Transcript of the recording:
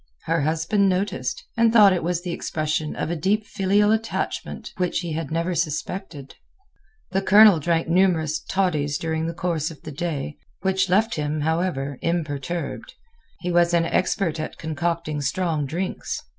Her husband noticed, and thought it was the expression of a deep filial attachment which he had never suspected. The Colonel drank numerous "toddies" during the course of the day, which left him, however, imperturbed. He was an expert at concocting strong drinks.